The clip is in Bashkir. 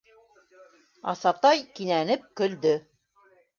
— Асатай кинәнеп көлдө.